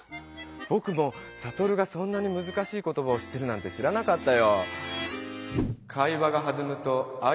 ぼくもサトルがそんなにむずかしいことばを知ってるなんて知らなかったよ。